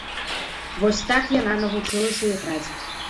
Вось так яна навучылася іграць.